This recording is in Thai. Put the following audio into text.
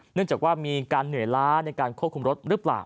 หนึ่งจากว่ามีการเหนื่อยล้าในการควบคุมรถ